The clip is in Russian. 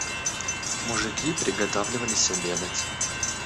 Мужики приготавливались обедать.